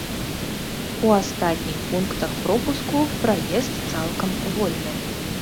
У астатніх пунктах пропуску праезд цалкам вольны.